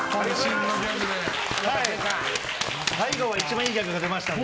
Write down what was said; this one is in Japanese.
最後は一番いいギャグが出ましたので。